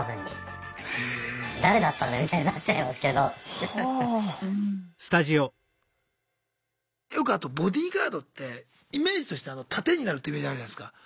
シェアハウスの人にはよくあとボディーガードってイメージとして盾になるってイメージあるじゃないすか。